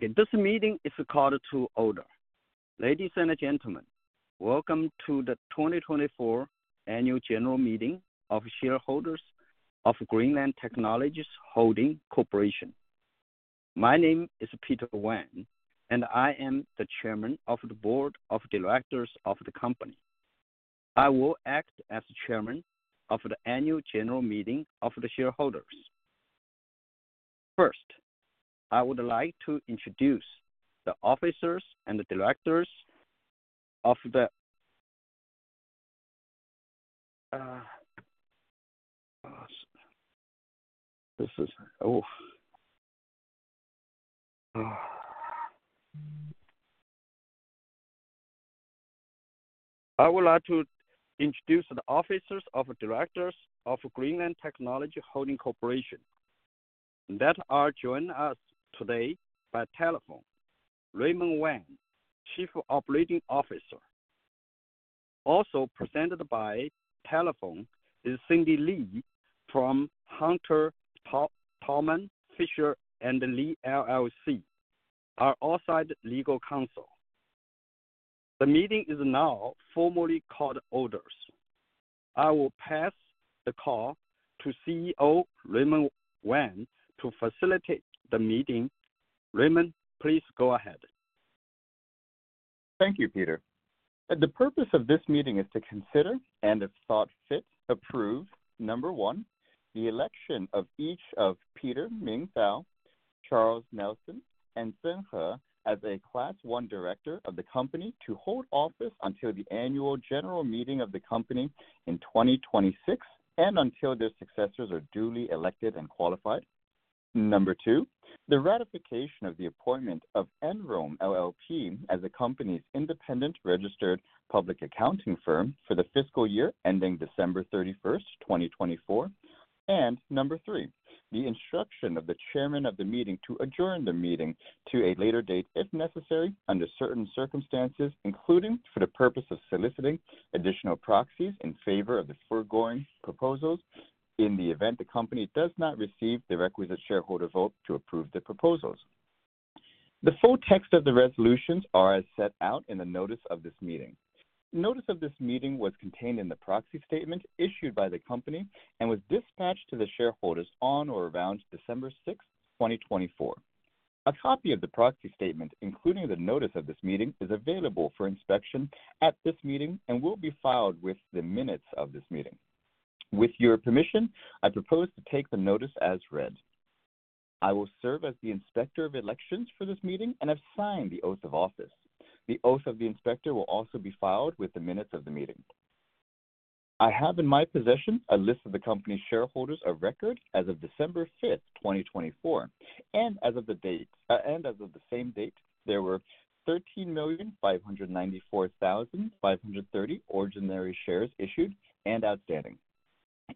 This meeting is called to order. Ladies and gentlemen, welcome to the 2024 Annual General Meeting of Shareholders of Greenland Technologies Holding Corporation. My name is Peter Wang, and I am the Chairman of the Board of Directors of the company. I will act as Chairman of the Annual General Meeting of the Shareholders. First, I would like to introduce the officers and directors of Greenland Technologies Holding Corporation that are joining us today by telephone: Raymond Wang, Chief Operating Officer. Also present by telephone is Cindy Li from Hunter Taubman Fischer & Li LLC, our outside legal counsel. The meeting is now formally called to order. I will pass the call to CEO Raymond Wang to facilitate the meeting. Raymond, please go ahead. Thank you, Peter. The purpose of this meeting is to consider and, if thought fit, approve: Number one, the election of each of Peter, Ming Zhao, Charles Nelson, and Zhen He as a Class 1 Director of the company to hold office until the Annual General Meeting of the company in 2026 and until their successors are duly elected and qualified. Number two, the ratification of the appointment of Enrome LLP as the company's independent registered public accounting firm for the FY ending 31st of December 2024. And number three, the instruction of the Chairman of the meeting to adjourn the meeting to a later date if necessary under certain circumstances, including for the purpose of soliciting additional proxies in favor of the foregoing proposals in the event the company does not receive the requisite shareholder vote to approve the proposals. The full text of the resolutions are as set out in the notice of this meeting. The notice of this meeting was contained in the proxy statement issued by the company and was dispatched to the shareholders on or around December 6th, 2024. A copy of the proxy statement, including the notice of this meeting, is available for inspection at this meeting and will be filed with the minutes of this meeting. With your permission, I propose to take the notice as read. I will serve as the Inspector of Elections for this meeting and have signed the oath of office. The oath of the Inspector will also be filed with the minutes of the meeting. I have in my possession a list of the company's shareholders of record as of December 5th, 2024, and as of the same date, there were 13,594,530 ordinary shares issued and outstanding,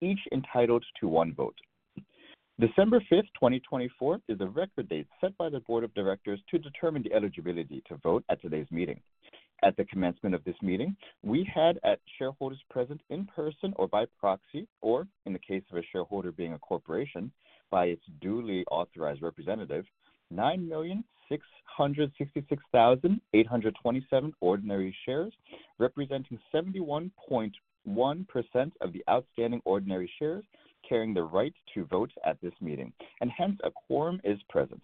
each entitled to one vote. December 5th, 2024, is a record date set by the Board of Directors to determine the eligibility to vote at today's meeting. At the commencement of this meeting, we had, at shareholders present in person or by proxy, or in the case of a shareholder being a corporation by its duly authorized representative, 9,666,827 ordinary shares representing 71.1% of the outstanding ordinary shares carrying the right to vote at this meeting, and hence a quorum is present.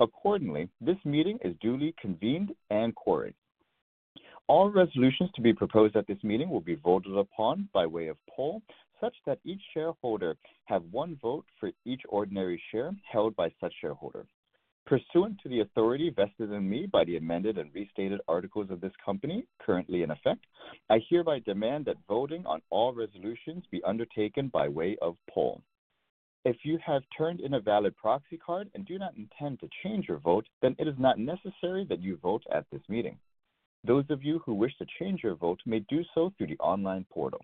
Accordingly, this meeting is duly convened and quorate. All resolutions to be proposed at this meeting will be voted upon by way of poll such that each shareholder have one vote for each ordinary share held by such shareholder. Pursuant to the authority vested in me by the amended and restated articles of this company currently in effect, I hereby demand that voting on all resolutions be undertaken by way of poll. If you have turned in a valid proxy card and do not intend to change your vote, then it is not necessary that you vote at this meeting. Those of you who wish to change your vote may do so through the online portal.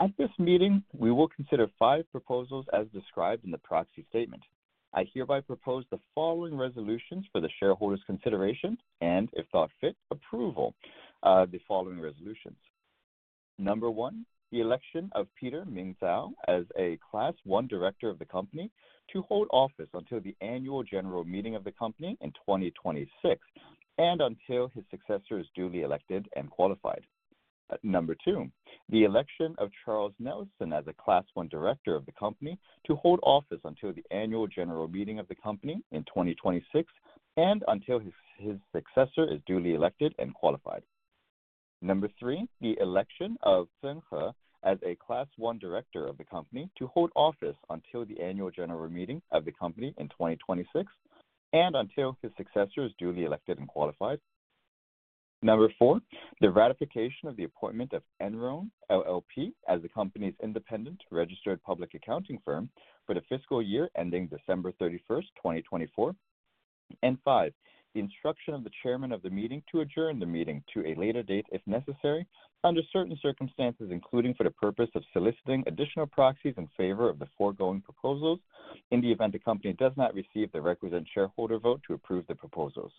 At this meeting, we will consider five proposals as described in the proxy statement. I hereby propose the following resolutions for the shareholders' consideration and, if thought fit, approval of the following resolutions. Number one, the election of Ming Zhao as a Class 1 Director of the company to hold office until the Annual General Meeting of the company in 2026 and until his successor is duly elected and qualified. Number two, the election of Charles Nelson as a Class 1 Director of the company to hold office until the Annual General Meeting of the company in 2026 and until his successor is duly elected and qualified. Number three, the election of Zhen He as a Class 1 Director of the company to hold office until the Annual General Meeting of the company in 2026 and until his successor is duly elected and qualified. Number four, the ratification of the appointment of Enrome LLP as the company's independent registered public accounting firm for the FY ending 31st of December 2024. And five, the instruction of the Chairman of the meeting to adjourn the meeting to a later date if necessary under certain circumstances, including for the purpose of soliciting additional proxies in favor of the foregoing proposals in the event the company does not receive the requisite shareholder vote to approve the proposals.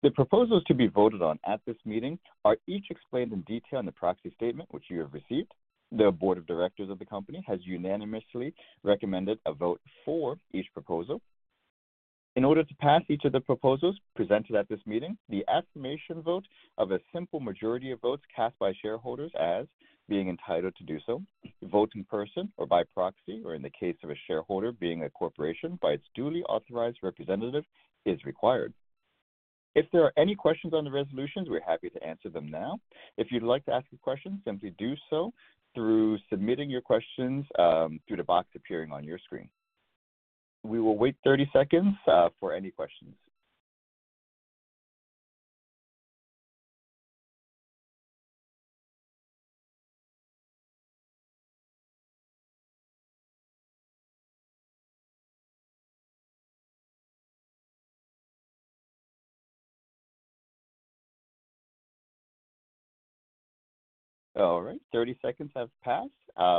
The proposals to be voted on at this meeting are each explained in detail in the Proxy Statement which you have received. The Board of Directors of the company has unanimously recommended a vote for each proposal. In order to pass each of the proposals presented at this meeting, the affirmative vote of a simple majority of votes cast by shareholders entitled to vote in person or by proxy, or in the case of a shareholder being a corporation by its duly authorized representative, is required. If there are any questions on the resolutions, we're happy to answer them now. If you'd like to ask a question, simply do so through submitting your questions through the box appearing on your screen. We will wait 30 seconds for any questions. All right, 30 seconds have passed.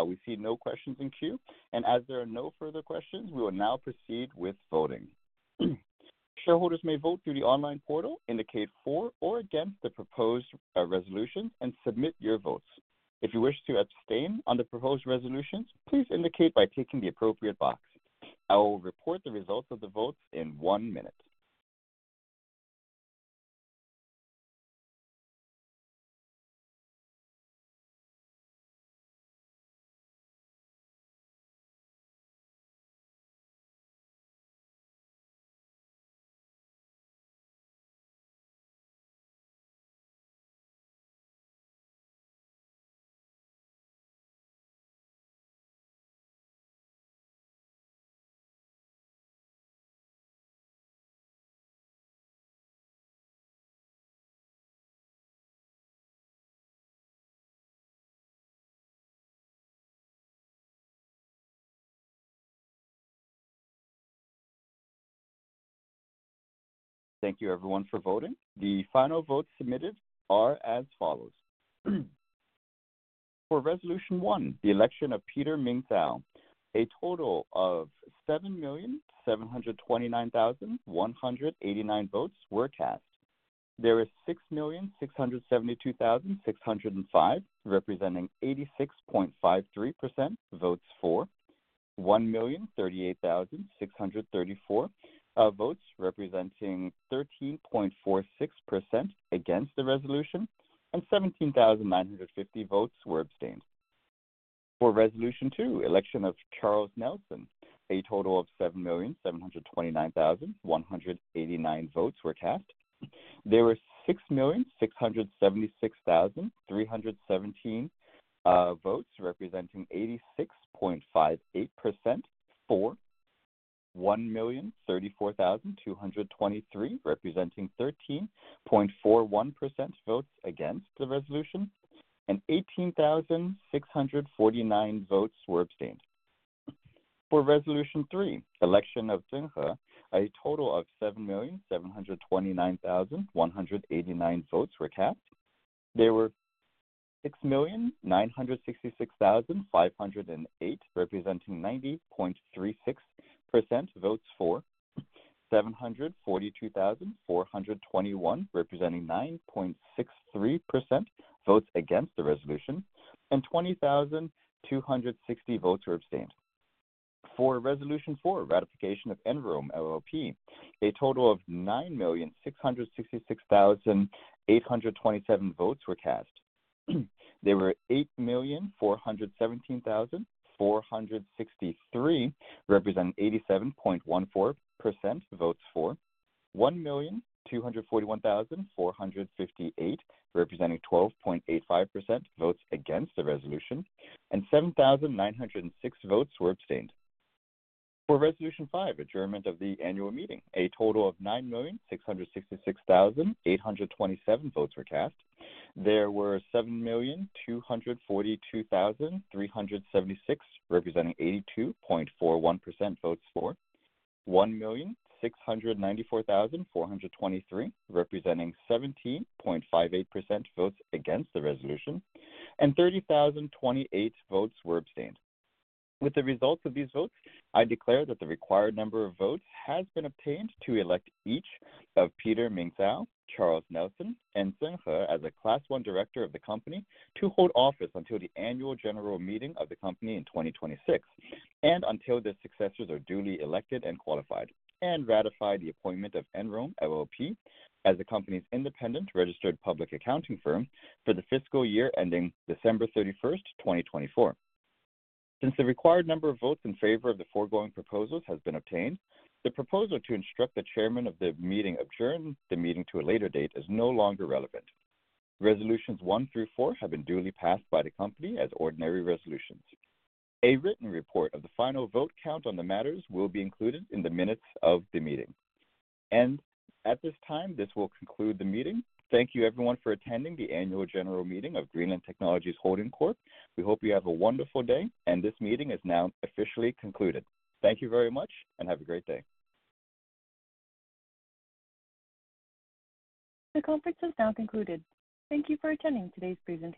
We see no questions in queue. And as there are no further questions, we will now proceed with voting. Shareholders may vote through the online portal, indicate for or against the proposed resolutions, and submit your votes. If you wish to abstain on the proposed resolutions, please indicate by ticking the appropriate box. I will report the results of the votes in one minute. Thank you, everyone, for voting. The final votes submitted are as follows. For Resolution One, the election of Ming Zhao, a total of 7,729,189 votes were cast. There are 6,672,605 representing 86.53% votes for, 1,038,634 votes representing 13.46% against the resolution, and 17,950 votes were abstained. For Resolution Two, the election of Charles Nelson, a total of 7,729,189 votes were cast. There were 6,676,317 votes representing 86.58% for, 1,034,223 representing 13.41% votes against the resolution, and 18,649 votes were abstained. For Resolution Three, the election of Zhen He, a total of 7,729,189 votes were cast. There were 6,966,508 representing 90.36% votes for, 742,421 representing 9.63% votes against the resolution, and 20,260 votes were abstained. For Resolution Four, ratification of Enrome LLP, a total of 9,666,827 votes were cast. There were 8,417,463 representing 87.14% votes for, 1,241,458 representing 12.85% votes against the resolution, and 7,906 votes were abstained. For Resolution Five, adjournment of the Annual Meeting, a total of 9,666,827 votes were cast. There were 7,242,376 representing 82.41% votes for, 1,694,423 representing 17.58% votes against the resolution, and 30,028 votes were abstained. With the results of these votes, I declare that the required number of votes has been obtained to elect each of Ming Zhao, Charles Nelson, and Zhen He as a Class 1 Director of the company to hold office until the Annual General Meeting of the company in 2026 and until their successors are duly elected and qualified, and ratify the appointment of Enrome LLP as the company's independent registered public accounting firm for the FY ending 31st of December 2024. Since the required number of votes in favor of the foregoing proposals has been obtained, the proposal to instruct the Chairman of the meeting to adjourn the meeting to a later date is no longer relevant. Resolutions One through Four have been duly passed by the company as ordinary resolutions. A written report of the final vote count on the matters will be included in the minutes of the meeting. And at this time, this will conclude the meeting. Thank you, everyone, for attending the Annual General Meeting of Greenland Technologies Holding Corp. We hope you have a wonderful day, and this meeting is now officially concluded. Thank you very much, and have a great day. The conference is now concluded. Thank you for attending today's presentation.